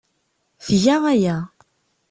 Tga aya.